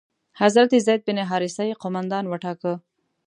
حضرت زید بن حارثه یې قومندان وټاکه.